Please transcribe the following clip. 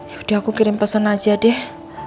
yaudah aku kirim pesan aja deh